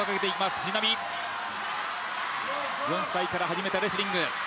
４歳から始めたレスリング。